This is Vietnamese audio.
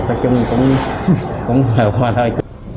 và chung cũng hợp hòa thôi